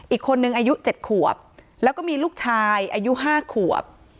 อีกคนนึงอายุ๗ขวบแล้วก็มีลูกชายอายุ๕ขวบ